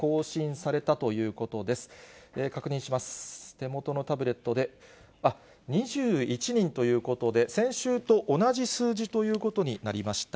手元のタブレットで、あっ、２１人ということで、先週と同じ数字ということになりました。